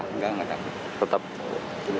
tidak tidak takut